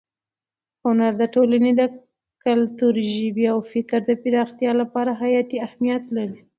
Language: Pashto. هنر د ټولنې د کلتور، ژبې او فکر د پراختیا لپاره حیاتي اهمیت لري.